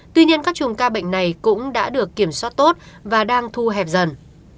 tuy nhiên các chùm ca bệnh này cũng đã được kiểm soát tốt và đang thu hẹp dần